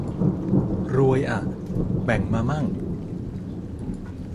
รวยอะ แบ่งมามั่ง